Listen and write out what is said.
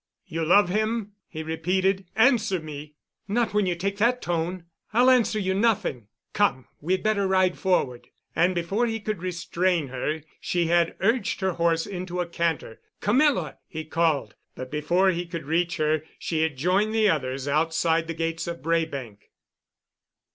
"You love him?" he repeated. "Answer me!" "Not when you take that tone. I'll answer you nothing. Come, we had better ride forward." And, before he could restrain her, she had urged her horse into a canter. "Camilla!" he called. But before he could reach her she had joined the others, outside the gates of Braebank.